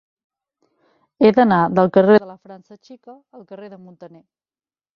He d'anar del carrer de la França Xica al carrer de Muntaner.